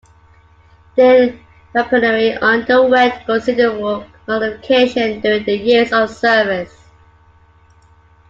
Their weaponry underwent considerable modification during their years of service.